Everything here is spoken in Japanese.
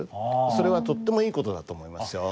それはとってもいい事だと思いますよ。